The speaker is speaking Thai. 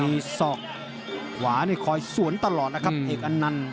มีศอกขวานี่คอยสวนตลอดนะครับเอกอันนันต์